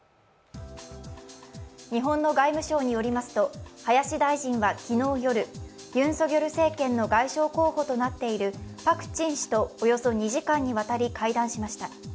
日本の外務省によりますと林大臣は昨日夜、ユン・ソギョル政権の外相候補となっているパク・チン氏とおよそ２時間にわたり会談しました。